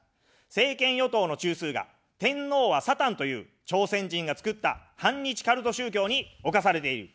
政権与党の中枢が天皇はサタンという、朝鮮人が作った反日カルト宗教に侵されている。